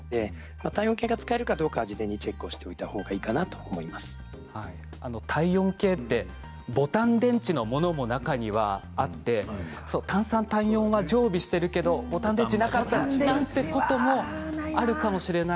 体温計が使えるかどうか事前にチェックしたほうが体温計ってボタン電池のものも中にはあって単３、単４は常備しているけれどもボタン電池がなかったなんてこともあるかもしれない。